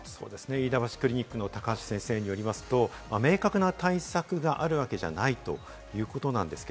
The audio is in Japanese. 飯田橋クリニック・高橋先生によりますと、明確な対策があるわけじゃないということです。